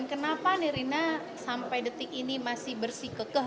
kenapa nirina sampai detik ini masih bersih kekeh